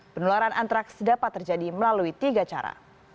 penularan antraks dapat terjadi melalui tiga cara